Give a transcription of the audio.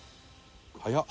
「早っ！」